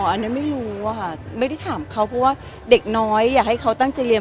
อันนี้ไม่รู้อะค่ะไม่ได้ถามเขาเพราะว่าเด็กน้อยอยากให้เขาตั้งใจเรียน